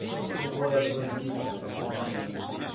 The word was beautiful: wine.